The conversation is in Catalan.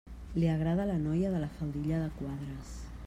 Li agrada la noia de la faldilla de quadres.